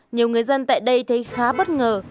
nhiều người dân tại đây thấy khá bất ngờ